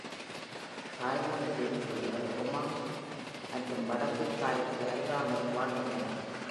தாய்லாந்தில் இருப்பவர்கள் Hmong மற்றும் வடக்கு Thai-க்கு அருகாமையில் வாழ்கின்றனர்.